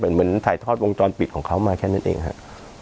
เหมือนถ่ายทอดวงจรปิดของเขามาแค่นั้นเองฮะ